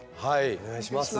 お願いします。